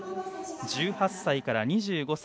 １８歳から２５歳。